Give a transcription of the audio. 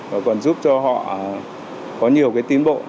và còn giúp cho họ có nhiều tiến bộ